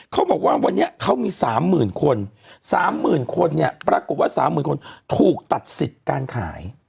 เขาบอกว่าวันนี้เขามี๓๐๐๐คน๓๐๐๐คนเนี่ยปรากฏว่า๓๐๐๐คนถูกตัดสิทธิ์การขาย